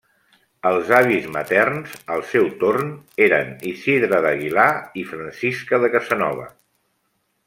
Els avis materns, al seu torn, eren Isidre d'Aguilar i Francisca de Casanova.